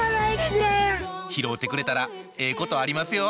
拾うてくれたらええことありますよ